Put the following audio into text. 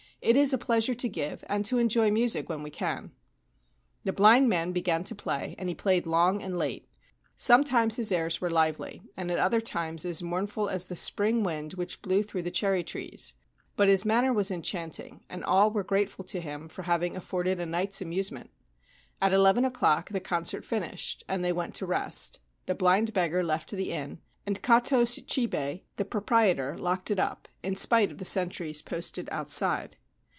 It is a pleasure to give, and to enjoy music when we can/ The blind man began to play, and he played long and late. Sometimes his airs were lively, and at other times as mournful as the spring wind which blew through the cherry trees ; but his manner was enchanting, and all were grateful to him for having afforded a night's amusement. At eleven o'clock the concert finished and they went to rest ; the blind beggar left the inn ; and Kato Shichibei, the proprietor, locked it up, in spite of the sentries posted outside.